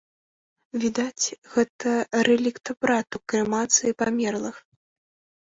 Відаць, гэта рэлікт абраду крэмацыі памерлых.